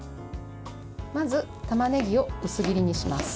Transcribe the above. まず、たまねぎを薄切りにします。